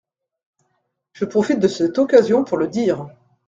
Je profite de cette occasion pour le dire.